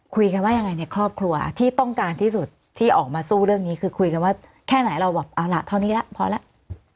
คุยกันว่ายังไงในครอบครัวที่ต้องการที่สุดที่ออกมาสู้เรื่องนี้คือคุยกันว่าแค่ไหนเราแบบเอาล่ะเท่านี้แล้วพอแล้ว